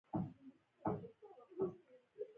فلیریک وویل چې زه تیار یم.